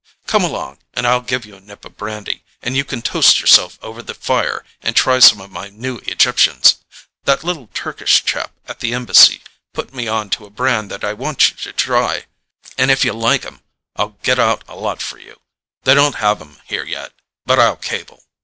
Come along, and I'll give you a nip of brandy, and you can toast yourself over the fire and try some of my new Egyptians—that little Turkish chap at the Embassy put me on to a brand that I want you to try, and if you like 'em I'll get out a lot for you: they don't have 'em here yet, but I'll cable."